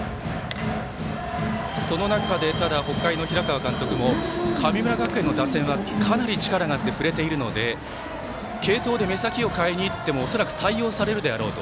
その中で、ただ北海の平川監督も神村学園の打線はかなり力があって振れているので継投で目先を変えにいっても恐らく対応されるだろうと。